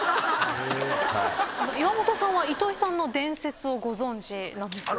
岩本さんは糸井さんの伝説をご存じなんですよね。